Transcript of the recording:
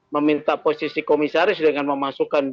meminta posisi komisaris dengan memasukkan